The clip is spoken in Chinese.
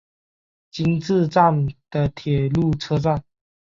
今治站的铁路车站。